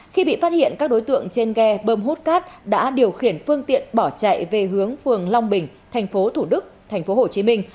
khi bị phát hiện các đối tượng trên ghe bơm hút cát đã điều khiển phương tiện bỏ chạy về hướng phường long bình tp thủ đức tp hồ chí minh